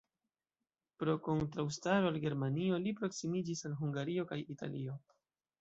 Pro kontraŭstaro al Germanio, li proksimiĝis al Hungario kaj Italio.